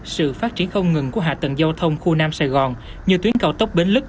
sự phát triển không ngừng của hạ tầng giao thông khu nam sài gòn như tuyến cao tốc bến lức